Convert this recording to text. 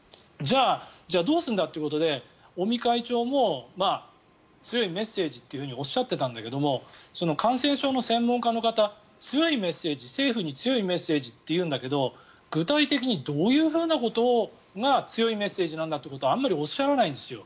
じゃあ、どうすんだということで尾身会長も強いメッセージというふうにおっしゃっていたんだけど感染症の専門家の方強いメッセージ政府に強いメッセージと言うんだけど具体的にどういうふうなことが強いメッセージなんだということはあまりおっしゃらないんですよ。